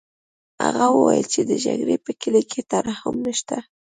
هغه وویل چې د جګړې په کلي کې ترحم نشته